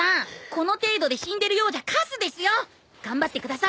この程度で死んでるようじゃカスですよ！頑張ってください！